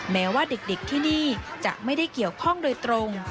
แม้ว่าเด็กที่นี่จะไม่ได้เกี่ยวข้องโดยตรง